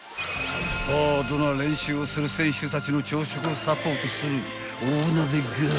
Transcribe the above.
［ハードな練習をする選手たちの朝食をサポートする大鍋ガールズ］